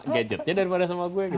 gadgetnya daripada sama gue